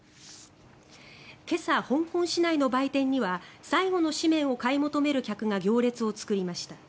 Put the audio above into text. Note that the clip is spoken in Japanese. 今朝、香港市内の売店には最後の紙面を買い求める客が行列を作りました。